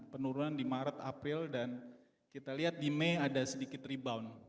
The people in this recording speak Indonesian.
penurunan di maret april dan kita lihat di mei ada sedikit rebound